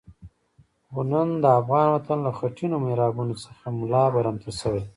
خو نن د افغان وطن له خټینو محرابونو څخه ملا برمته شوی.